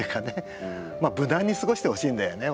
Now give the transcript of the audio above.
まあ無難に過ごしてほしいんだよね